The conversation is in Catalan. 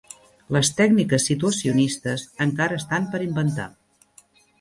Les tècniques situacionistes encara estan per inventar.